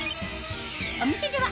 お店では